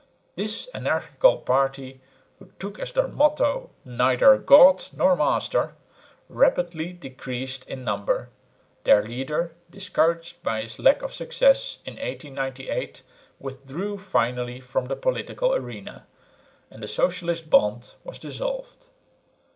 This anarchical party, who took as their motto "neither God nor master," rapidly decreased in number; their leader, discouraged by his lack of success in 1898, withdrew finally from the political arena; and the Socialist Bond was dissolved.